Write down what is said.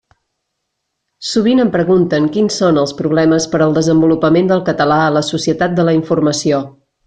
Sovint em pregunten quins són els problemes per al desenvolupament del català a la societat de la informació.